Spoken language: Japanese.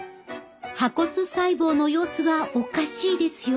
破骨細胞の様子がおかしいですよ。